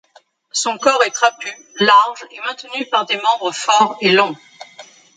Son corps est trapu, large et maintenu par des membres forts et longs.